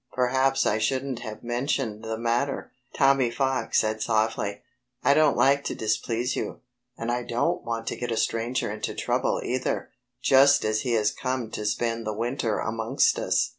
"Perhaps I shouldn't have mentioned the matter," Tommy Fox said softly. "I don't like to displease you. And I don't want to get a stranger into trouble either, just as he has come to spend the winter amongst us.